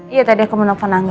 iya tadi aku mau nelfon angga